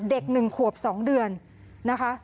เด็ก๑ขวบ๒เดือนนะคะ